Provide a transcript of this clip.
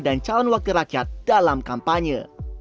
dan calon wakil rakyat dalam kampanye